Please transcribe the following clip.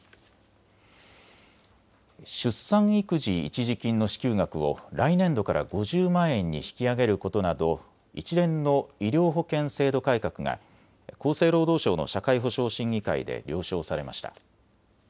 出産育児一時金の支給額を来年度から５０万円に引き上げることなど一連の医療保険制度改革が厚生労働省の社会保障審議会で了承されました。